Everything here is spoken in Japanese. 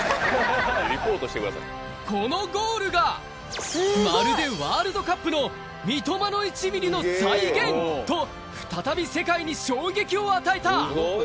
このゴールがまるでワールドカップのの再現！と再び世界に衝撃を与えた！